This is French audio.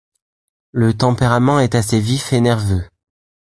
Le tempérament est assez vif et nerveux.